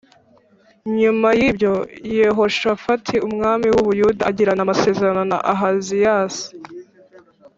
Nyuma y ibyo Yehoshafati umwami w u Buyuda agirana amasezerano na Ahaziyas